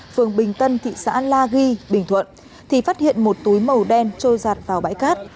phường bình tân thị xã la ghi bình thuận thì phát hiện một túi màu đen trôi giặt vào bãi cát